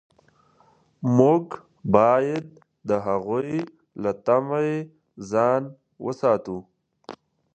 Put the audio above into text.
موږ باید د هغوی له طمع ځان وساتو.